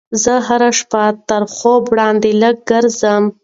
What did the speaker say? زه هره شپه تر خوب وړاندې لږ ګرځم.